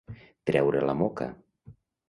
Treure la moca.